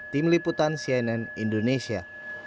tim liputan cnn indonesia